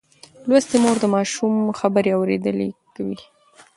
لوستې مور د ماشوم خبرې اورېدلي کوي.